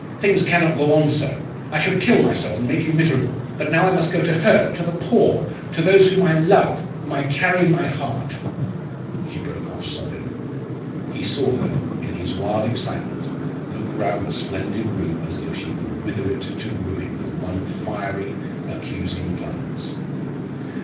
Things cannot go on so. I should kill myself, and make you miserable. But now I must go to her to the poor to those whom I love, whom I carry in my heart!" She broke off sobbing. He saw her, in her wild excitement, look round the splendid room as though she would wither it to ruin with one fiery, accusing glance.